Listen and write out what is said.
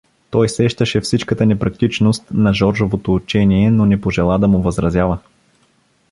Той сещаше всичката непрактичност на Жоржовото учение, но не пожела да му възразява.